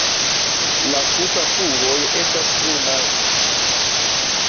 La supra kruroj estas brunaj.